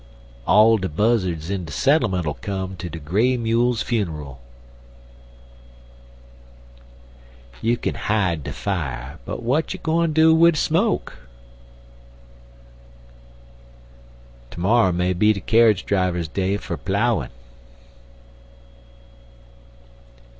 All de buzzards in de settlement 'll come to de gray mule's funer'l. You k'n hide de fier, but w'at you gwine do wid de smoke? Termorrow may be de carridge driver's day for ploughin'.